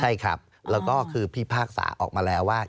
ใช่ครับแล้วก็คือพิพากษาออกมาแล้วว่า